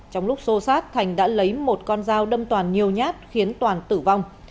trong lúc xô sát thành đã lấy một con dao đâm toàn nhiều nhát khiến toàn tử vong